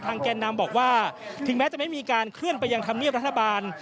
แก่นำบอกว่าถึงแม้จะไม่มีการเคลื่อนไปยังธรรมเนียบรัฐบาล